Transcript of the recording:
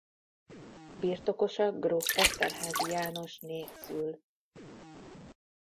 Birtokosa gróf Eszterházy Jánosné szül.